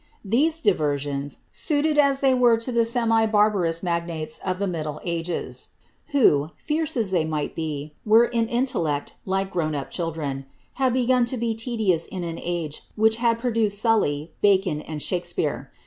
These diversions, suited as they were to the semi barbarous magnates of the middle ages — who, fierce as they might be, were in intellect like grown up children — had begun to be tedious in an age which had produced Sully, Bacon, and Shakspeare.